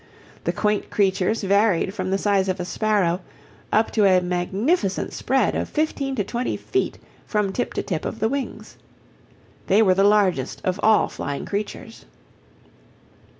The quaint creatures varied from the size of a sparrow up to a magnificent spread of 15 20 feet from tip to tip of the wings. They were the largest of all flying creatures.